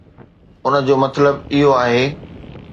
ان جو مطلب اهو آهي